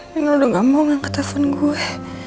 nino udah gak mau nge telfon gue